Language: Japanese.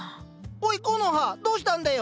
おいコノハどうしたんだよ？